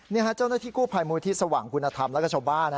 เจ้าหน้าที่กู้ภัยมูลที่สว่างคุณธรรมแล้วก็ชาวบ้าน